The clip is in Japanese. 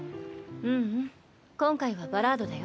ううん今回はバラードだよ。